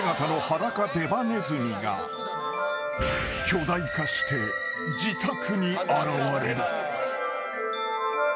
［巨大化して自宅に現れる］